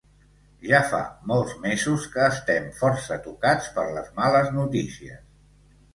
Ja fa molts mesos que estem força tocats per les males notícies.